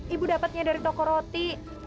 ibu dapatnya dari toko roti